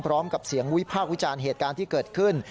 พร้อมกับเสียงวิพากษ์วิจารณ์เหตุการณ์ที่เกิดขึ้น